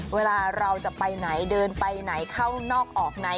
เวลาเราจะไปไหนเดินไปไหนเข้านอกออกใน